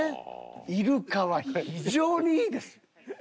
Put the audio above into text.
イルカは非常にいいです。